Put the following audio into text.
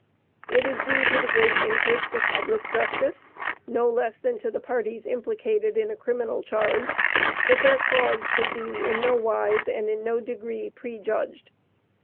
It is due to the great interests of public justice, no less than to the parties implicated in a criminal charge, that their cause should be in no wise and in no degree prejudged.